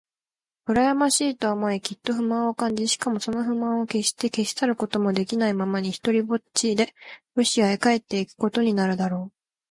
うらやましいと思い、きっと不満を感じ、しかもその不満をけっして消し去ることもできないままに、ひとりぽっちでロシアへ帰っていくことになるだろう。